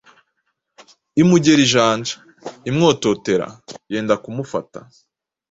Imugera ijanja: imwototera, yenda kumufata.